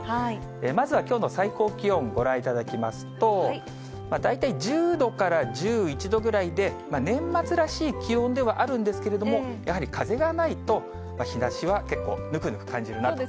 まずはきょうの最高気温ご覧いただきますと、大体１０度から１１度ぐらいで、年末らしい気温ではあるんですけれども、やはり風がないと、日ざしは結構ぬくぬく感じるなという。